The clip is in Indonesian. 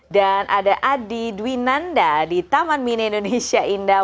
dan ada adi dwinanda di taman mine indonesia indah